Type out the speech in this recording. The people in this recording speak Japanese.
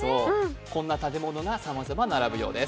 こんな建物がさまざま並ぶようです。